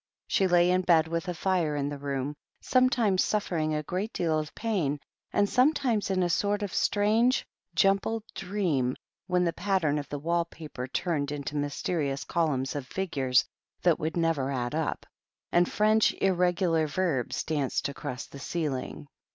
She lay in bed with a fire in the room, sometimes suffering a great deal of pain, and sometimes in a sort of strange, jumbled dream, when the pattern of the wall paper turned into mysterious columns of figures that would never add up, and French Irregular Verbs danced across the ceiling.